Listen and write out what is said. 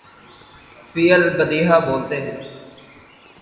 فی البدیہہ بولتے ہیں۔